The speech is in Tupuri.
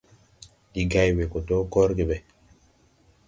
Ndi gay we dɔɔ gɔrge ɓɛ.